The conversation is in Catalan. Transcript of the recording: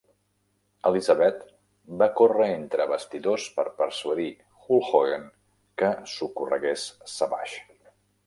Elizabeth va córrer entre bastidors per persuadir Hulk Hogan que socorregués Savage.